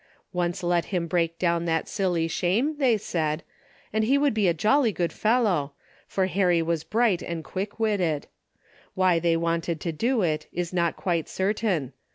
Once let him break down that silly shame, they said, and he would be a jolly good fellow, for Harry was bright and quick witted. Why they wanted to do it is not quite certain.